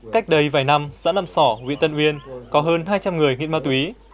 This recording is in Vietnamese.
cách đây vài năm xã lâm sỏ huyện tân uyên có hơn hai trăm linh người nghiện ma túy